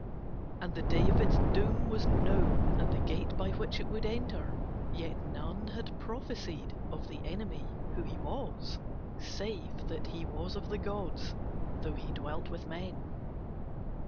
And the date of its doom was known and the gate by which it would enter, yet none had prophesied of the enemy who he was save that he was of the gods though he dwelt with men.